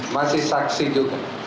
masih saksi juga